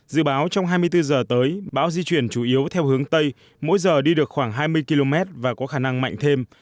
dự báo trong hai mươi bốn giờ tới bão di chuyển chủ yếu theo hướng tây mỗi giờ đi được khoảng hai mươi km và có khả năng mạnh thêm